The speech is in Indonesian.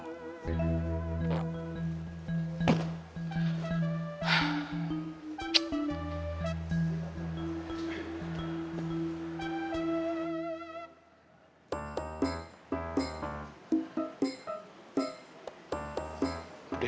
aku harus berubah